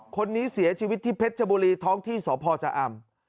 คนนี้เสียชีวิตที่เพชรชบุรีท้องที่สพชะอำ